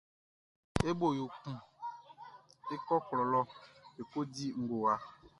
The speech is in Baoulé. E bo yo kun e kɔ klɔ lɔ e ko di ngowa.